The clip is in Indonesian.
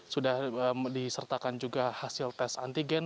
sudah disertakan juga hasil tes antigen